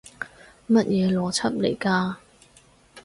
乜嘢邏輯嚟㗎？